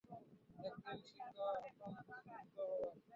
একদিন, সিংহ আক্রান্ত হবে।